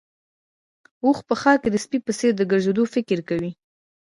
اوښ په ښار کې د سپي په څېر د ګرځېدو فکر کوي.